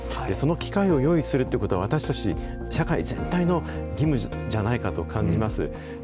その機会を用意するっていうことは、私たち社会全体の義務じゃないかと感じます。